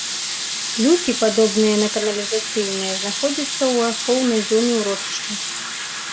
Люкі, падобныя на каналізацыйныя, знаходзяцца ў ахоўнай зоне ўрочышча.